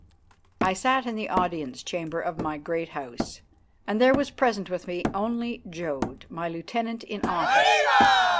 I sat in the audience chamber of my Great House, and there was present with me only Jodd, my lieutenant in office.